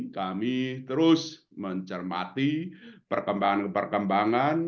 kami terus mencermati perkembangan perkembangan